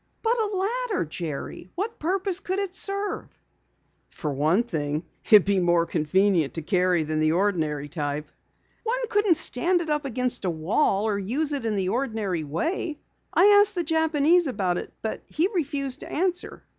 "But a ladder, Jerry! What purpose could it serve?" "For one thing it would be more convenient to carry than the ordinary type." "One couldn't stand it against a wall or use it in the ordinary way, Jerry. I asked the Japanese about it but he refused to answer."